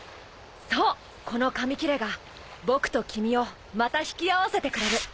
そうこの紙切れが僕と君をまた引き合わせてくれる。